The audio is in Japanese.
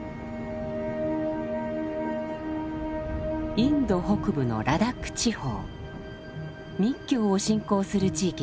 インド北部のラダック地方密教を信仰する地域です。